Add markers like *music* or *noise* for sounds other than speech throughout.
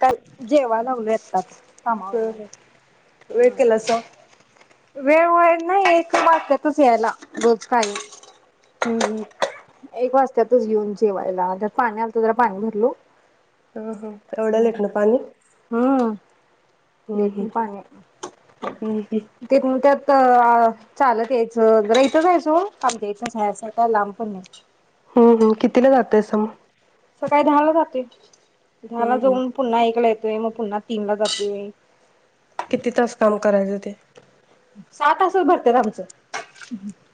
काय जेवा लावल आताच, कामावर ह वेळ केलासा वेळ होईल. नाही एक वाजत्यातच यायला, रोज काही हूं हूं! एक वाजत्यातच येेऊन जेवायला त्यात पाणी, आलत जरा पाणी भरलो. हुं एवढ्या लेटन पाणी? हम्म लेटनी हम्म पाणी हम्म हम्म ते कू त्यात चालत यायचं, जरा इथं जायचो हो! *unintelligible* *inaudible* हुं हुं कितीला जातय सम सकाळी दहा ला जाते. झाला हम्म हम्म जाऊन पुन्हा ऐकलं ऐक. होय मग पुन्हा तीन ला जातोय. किती तास काम करायच? ते सा तासच भरत्यात आमचं.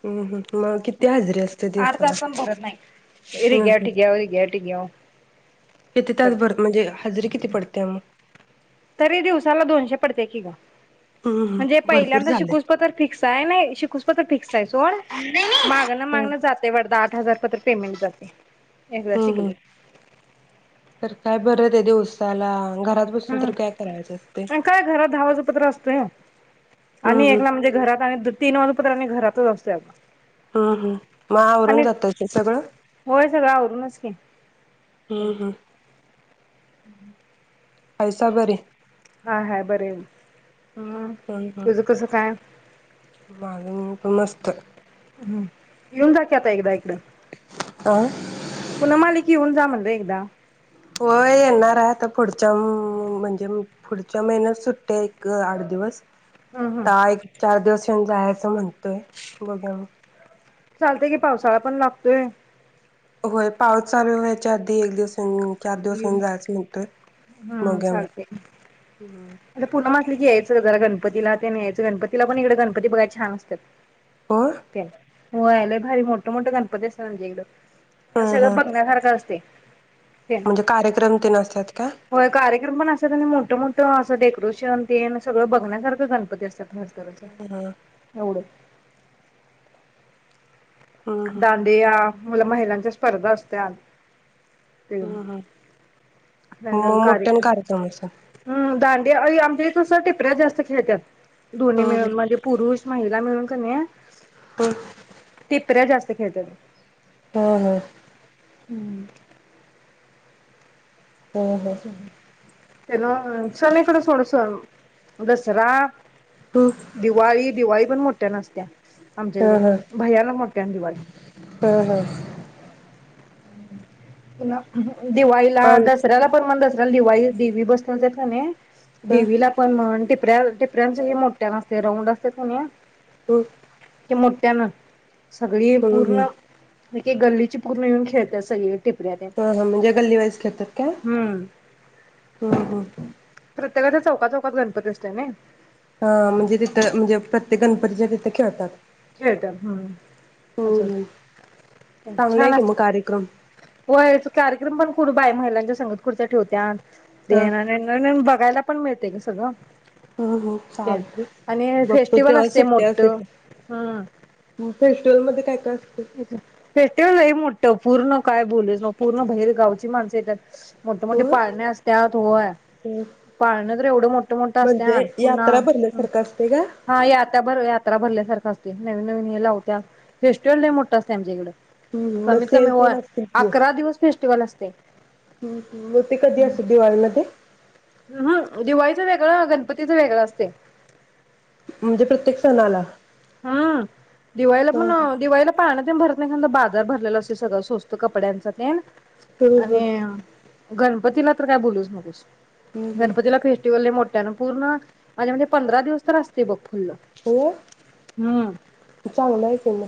हुं हुं मग किती हजरी असते आठ दिवसाला तास पण भरत नाही हम रिग्याव हम टिग्याव रिग्याव टिग्याव किती तास भर करतोय म्हणजे हजरी किती पडत त्यामं! तरी दिवसाला दोनशे पडते की ग हम्म हम्म म्हणजे भरपूर पहिल्यांदा झाले शिकून प तर फिक्स आहे नाही श *unintelligible* *unintelligible* मागण हम्म मागण जाते *unintelligible* आठ हजार पत्र पेमेंट जाते एकदा हम्म शिकले चला हम काय घरात दहा वाजूपतूर असतय हम्म आणि हम्म एकला म्हणजे घरात आणि तीन वाजूपतूर आणि घरात *unintelligible* हम्म हम्म मग आवरून जात का सगळं होय सगळं आवरूनच की हम्म हम्म *inaudible* हायसा बरी? हाय हाय बरीय. हम् तुझं कसं काय? माज मन नस्त हम्म येऊन जा की आता एकदा इकडं अ पुन्हा मालिक येऊन जा म्हणलं एकदा होय येणार आहे आता पुढच्या म्हणजे पुढच्या महिन्यात सुट्टते एक आठ दिवस हम्म हम्म ता एक चार दिवस पण जायचं म्हणतोय बघूया मग चालतय कि पावसाळा पण लागतोय होय पाऊस चालू व्हायच्या आधी एक दिवस चार दिवस येऊन जायचं म्हणतोय हम्म बघूया मग चालतंय हम आता पूनम यायचं ग जरा गणपतीला ते न्यायचं गणपतीला पण इकडे गणपती बघयला छान असत्यात आ होय लाय भारी मोठे मोठे गणपती असतात म्हणजे इकडं हं सगळं हं बघण्यासारखं असते *unintelligible* म्हणजे कार्यक्रम तेन असतात का हो कार्यक्रम पण असत्या आणि मोठ-मोठ आस ते डेकोरेशन तेन सगळं बघण्यासारखं गणपती असतात. नाश करायचा हं एवढ हं हं दांडिया मुलं महिलांच्या स्पर्धा असत्यात तेन हम् हम त्यानं म मोठ्याने कार्यक्रम असन अई आमच्या इथ टिपऱ्या जास्त खेळत्यात दोन्ही हं मिळून हं म्हणजे पुरुष महिला मिळून कन्हैया होय. टिपऱ्या जास्त खेळतात. हम हम हम्म हं हं अच्छा हम तनो सनीकडें सोडसं दसरा हं दिवाळी, दिवाळी पण मोठी त्या नाचत्या आमच्या हं इकडं भयानक मोठ्यान दिवाळी. हं हं हं *unintelligible* दिवाळीला, आम दसऱ्याला पण मग दसऱ्याला, दिवाळी देवी बसता जठाने हं देवीला पण म्हण ते टिपऱ्याल, टिपऱ्याच हे मोठ्यांन असतंय राउंड असतात कणी हो की मोठ्यान सगळी हम्म पूर्ण म ते गल्लीची पूर्ण येऊन खेळतात सगळी. टिपऱ्या तेन हो हो म्हणजे गल्ली वाईज खेळतात का हम्म ह ह. एखाद्या चौका-चौकात गणपती असतोय नय. हा म्हणजे तिथं म्हणजे प्रत्येक गणपतीच्या तिथे खेळतात. खेळतात हम आमचं हम्म हम्म चांगला आहे छान की मग कार्यक्रम असत्यात व याचा कार्यक्रम पण कु बाय महिलांच्या संगीत खुरच्या ठेवत्यात. हा देणारे नणंद बघायला पण मिळतय गं सगळं. ह ह ते चालते आणि बघतो फेस्टिवल तेव्हा असते सुट्ट्या मोठं असतात ते ह तेच तेल मध्ये काय काय? असते? हेच फेस्टिवल लई मोठं पूर्ण काय बोलूच नको पूर्ण बहेर गावची माणंस येत्यात. मोठे-मोठे होय पाळणे असत्यात होय हम्म पाळण जर एवढं मोठ-मोठं म्हणजे असत्यात पुन्हा यात्रा भरल्यासारखं असते का? हा यात्या भर यात्रा भरल्यासारख असत. ते नवीन नवीन हे लावत्यात. त्यो लय मोठ असतंय आमच्याइकडं. हम्म सेल तेन असतील की. दिवस फेस्टिवल असते. ह ह म ते कधी असत्यात दिवाळी मध्ये. हम दिवाळीच वेगळ, गणपतीच वेगळ असते. म्हणजे प्रत्येक सणाला हम्म दिवाळीला हा हा पण दिवाळीला पाळण ते भरत नाही. म्हणल बाजार भरलेला असत सगळं स्वस्त कपड्यांच ते हम्म हम्म आणि गणपतीला तर काय बोलूच नकोस. हम्म हम्म गणपतीला फेस्टिवल लय मो त्यान पूर्ण माझ्या मते पंधरा दिवस तर असते बघ *inaudible* चांगल हाय की म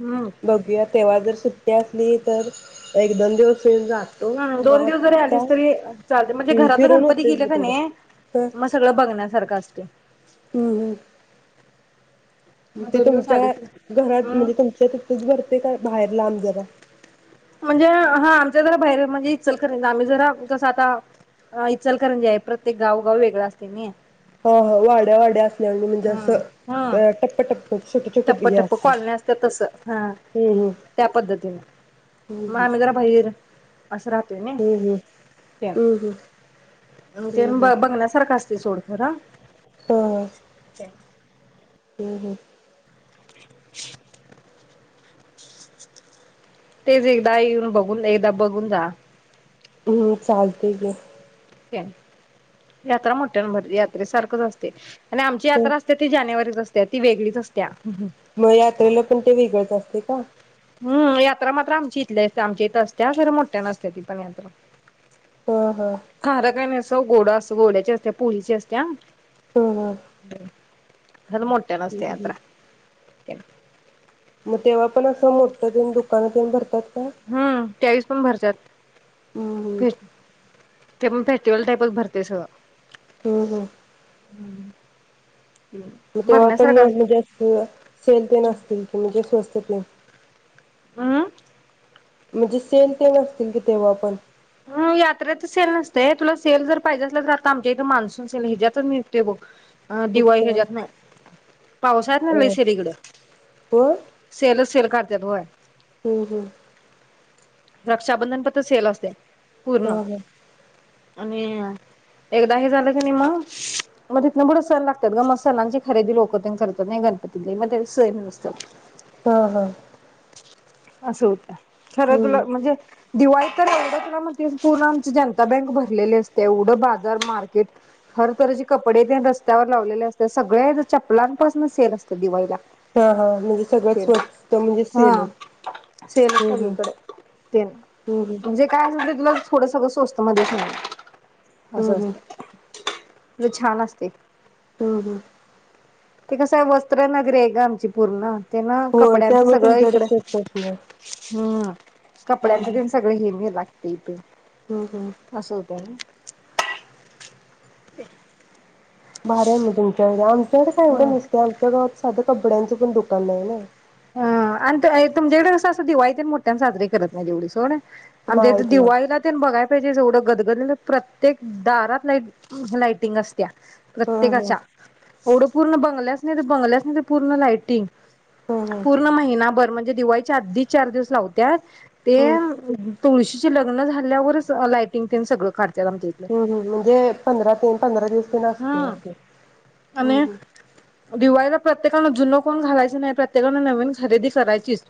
हम्म बघूया तेव्हा जर सुट्या असली तर एक दोन दिवस येऊन जातो हूं मग दोन दिवस जरी आता आलीस तरी चालल म्हणजे घरातलं फिरून गणपती होतेच गेल ब का थोडं नाही मग सगळं बघणार सारखा असतय हूं हूं मग ते दोन दिवस तुमच्या आलीस घरात हम्म म्हणजे तुमच्या तिथच भरते का बाहेर लांब जरा म्हणजे हा आमच्याकड बाहेर म्हणजे इचल करंज आम्ही जरा जसं आता इचलकरंजी आहे प्रत्येक गावगाव वेगळा असतय नी हा हा वाड्या वाड्या असल्या वाणी म्हणजे असं हम्म हम्म अ टप्प टप्प छोटे छोटे टप्प हे टप्प असत कॉलन्या असतात तसं हा. हूं त्या पद्धतीने हूं मग आम्ही जरा बायर *inaudible* असं राहतोय नन हम्म हम्म तेन हम्म तेन हम्म हम्म ब बघण्यासारखा अस ते सोडखरा हा हूं हूं *inaudible* तेच एकदा येऊन बघून एकदा बघून जा. हूं चालतय की यात्रा मोठ्यांन भरली यात्रे सारखंच असतय आणि आमची यात्रा असते ती जानेवारीच असते. ती वेगळीच असतीया मग यात्रेला पण ते वेगळच असते का? हूं यात्रा मात्र आमची इथल्या इथ आमच्या इथं असतिया खर मोठ्यान असते ती पण यात्रा हा हा हो गोड असं गोड्याची असते पोलीची असतिया *inaudible* हा खरं मोठ्यान असत हा यात्रा *inaudible* मग तेव्हा पण असं मोठ तेन दुकानं तेन भरतात. हो चाळीस पण भरत्यात. हम्म भेट ते पण फेस्टिवल टाईपच भरतय सगळं. हम् हम तेव्हा पण बघण्यासारखं म्हणजे असं सेल तेन असतील की म्हणजे स्वस येत नाही. आ म्हणजे सेल तेन असतील की तेव्हा पण. हम यात्रेतच सेल नसतय तुला सेल जर पाहिजे असल तर आता आमच्या इथ मान्सून सेल ह्याच्यातच निघते बग. अ दिवाळी कुठं ह्याच्यातन पावसाळ्यातन लई अ सेल हिकडं सेलच सेल काड त्यात होय. हो हो रक्षाबंधन पतल सेल असतोय. हो हो आणि एकदा हे झालं की नाही मग. मग तिथन पुढं सेल लागतात ग. मग सणांची खरेदी लोक तेन करतात नई गणपतीतले. मग त्याचे सेल नसतात. ह ह असं होतय. खरं तुला म्हणजे दिवाळीत तर एवडच ना मनजे *unintelligible* ती जनता बँक भरलेली असतीया. एवढं बाजार मार्केट हरतऱची कपडे तेन रस्त्यावर लावलेली असत्यात. सगळ्या चपलांपसन सेल असतोय दिवाळीला हा हा म्हणजे सगळ्यात तेन स्वस्त म्हणजे हा सेलच सेल हम्म हम्म. सगळीकड तेन हम्म हम्म म्हणजे काय असल ते तुला थोडं सगळं स्वस्त मध्येच मिळालं. हम्म असं हम्म असतंय. छान असते. हम ह ते कसं आहे वस्त्र नगरिय ग आमची पूर्ण. ते ना होय कपड्यांचं त्यामुळे सगळं तुमच्याकडे इकडं स्वस्त असणार. हम्म हम्म कपड्यांच हम्म तेन सगळं हेिमी लाग ती हम्म हम्म. पेन असं होतंय ना? ते भारी आहे मी तुमच आम तेवड काय हो ह एवढं नसते आमच्या गावात साधं कपड्यांचं पण दुकान नाही आहे ना. अ आणि तुमच्याकड असं असं दिवाळीत मोठ्यान साजरी करत नाही तेवढी सोड आमच्या ईथ नाही ते दिवाळीला ते न बघाय त्यादिस एवढं गदगद प्रत्येक दारात लाय लायटिंग अस त्या ह ह प्रत्येकाच्या एवढ पूर्ण ब बंगल्याच नाही तर बंगल्यास नाही तर पूर्ण लाइटिंग ह ह हं पूर्ण महिनाभर म्हण जे दिवाळीच्या आधी चार दिवस लावत्यात ते हं तुळशीचे लग्न झाल्यावरच लायटिंग तेन सगळ काढत्यात आमच्या इथलं हं म्हणजे पंधरा ते पंधरा दिवस ते हा असते असे हं आणि हं दिव पहिलं प्रत्येकानं जुनं कोण घालायच नाही प्रत्येकान नवीन खरेदी करायचीच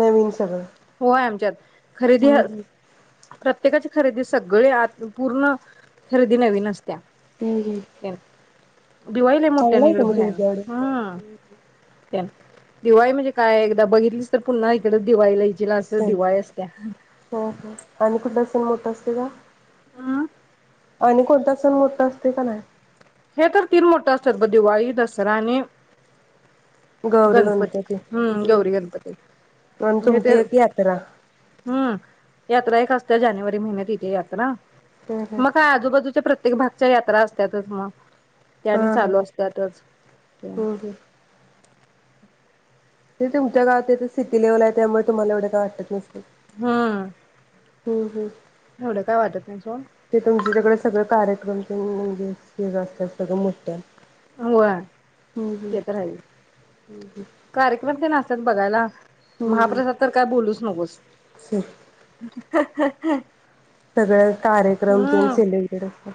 नवीन सगळं होय आमच्यात खरेदी हं हं प्रत त्येकाची खरेदी सगळी आ पूर्ण खरेदी नवीन असतीया हूं हूं दिवाळी लय मोठ्यानं इकडं भयान हां दिवाळी म्हणजे काय एकदा बघितलीच तर पुन्हा इकड दिवाळीला ये हो हो हो आणि कुठला सण मोठा अस *inaudible* अं आणि कोणता सण मोठा असतोय क नाय हे तर तीन मोठं असत ब दिवाळी दसरा आणि गौरी गणपती हम्म गौरी गणपती ह् आणि हे तुमची तर एक यात्रा हम्म यात्रा एक असत्या जानेवारी महिन्यात येती यात्रा हं हं मग का आजूबाजूच्या प्र त्येक भागच्या यात्रा असत्यातच मग त्या आणि हं हं चालू असत्यातच हं हं ते तुमच्या गावात सिटी लेवल आहे त्यामुळे तुम्हाला एवढे काय वाटत नसल हा हूं हूं एवढ काय वाटत सोड ते तुमचीतल सगळं कार्यक्रम हूं म्हणजे जास्त असत ग मोठ्य होय ते तर हायच कार्यक्रम ते आ बघायला हम्म हम्म. महाप्रसाद तर काय बोलूच नकोस. *inaudible* सगळ कार्यक्रम तेन हम्म सेलिब्रेट असतात.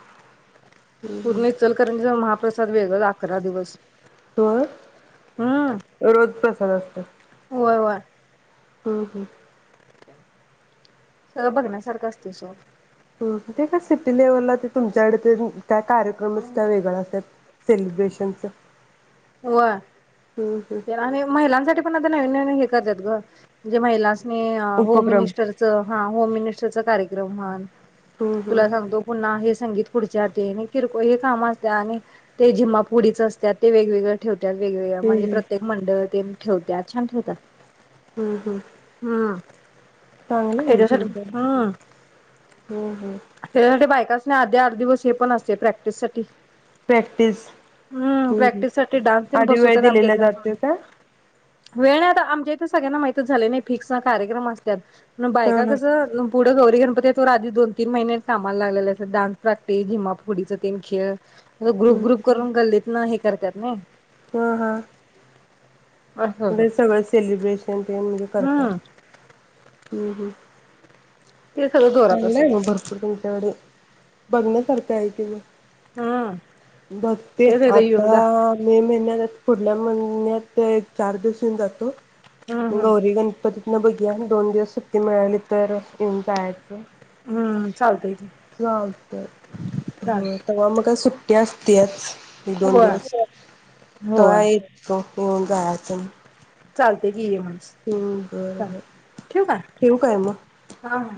पूर्ण इचलकरंजीचा महाप्रसाद वेगळा अकरा दिवस होय हम्म रोज प्रसा द असतोय. होय वय हम् हम् सगळं बघण्यासारखं असतय सोड. हम् ते काय सिटी लेव्हलला ते तुमच्याकडे ते त्या कार्यक्रमचं त्या वेगळ असत्यात. सेलिब्रेशनचं व तेला आणि महिलांसाठी पण आता नवीन- नवीन घेत करत्यात गं जे महिला असं आणि होम उपक्रम मिनिस्टरचं हा होम मिनिस्टरच कार्य रवमान हम्म हम्म. तुला सांगतो पुन्हा हे संगीत खुर्च्या तेन हे किरकोळ हे कामं असत्या आणि ते झिम्मा-फुगडी चं असत्यात ते वे वेगवेगळं ठेव त्या वेगळ्या हम्म म्हणजे हम्म. प्रत्येक मंडळ तेन ठेवत्या छान ठेवतात. हम्म हम्म हम्म चांगलं आहे मग त्याच्यासाठी तुमचं. हम्म हम्म हम्म. त्याच्यासाठी बायका अस ना आधी आठ दिवस हे पण असते प्रॅक्टिस साठी. प्रॅक्टिस हम हं ते डांस तेन बसवत्यात आमच्या इथल्या. वेळ नाही आता आमच्या इथे सगळ्यांना माहतीच झालय नी फिक्स हा कार्यक्रम असत्यात. मग हा बायका हा कसं न पुढं गौरी गण त्याच्यावर आधी दोन, तीन महिने कामाला लागलेल्या असत्यात. डांस प्रॅक्टिस झिम्मा- फुगडिचं तेन खेळ हम्म ग्रुप-ग्रुप करून गल्लीतनं हे करत्यात नई. हा हा असं असं. म्हणे सगळं सेलिब्रेशन तेन म्हणजे करतात. हम्म हम् हम् ते सगळं जोरात खाल्लय असतंय ना भरपूर त्यांच्याकडे. बघण्यासारखं आहे कि म हम्म बघते तेच एकदा आता येऊन जा मे महिन्यात पुढल्या महिन्यात एक-चार दिवस येवून जातो. हम्म हम्म. गौरी गणपतीत न बघूया दोन दिवस सुट्टी मिळाली तर येऊन जायाच. त हम्म चालतंय घे. चालतंय ह तवा मग काय सुट्टी त्याच त्याच एक-दोन होय दिवस तवा होय. येतो. ओ गाचन चालतय गेली माणसं बरं. चालतंय ठेऊ का? ठेवू काय मग? हा ह